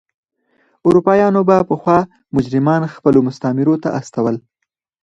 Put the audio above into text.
اروپایانو به پخوا مجرمان خپلو مستعمرو ته استول.